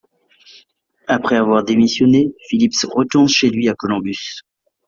Après avoir démissionné, Philips retourne chez lui à Colombus.